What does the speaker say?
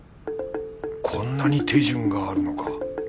こんなに手順があるのか。